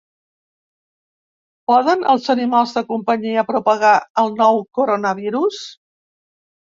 Poden els animals de companyia propagar el nou coronavirus?